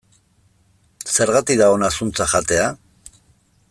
Zergatik da ona zuntza jatea?